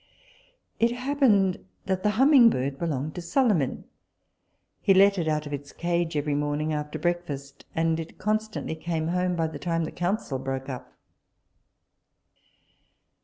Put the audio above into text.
It happened that the humming bird belonged to Solomon; he let it out of its cage every morning after breakfast, and it constantly came home by the time the council broke up.